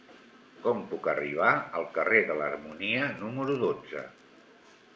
Com puc arribar al carrer de l'Harmonia número dotze?